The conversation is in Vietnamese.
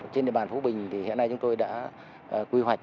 trên địa bàn phú bình thì hiện nay chúng tôi đã quy hoạch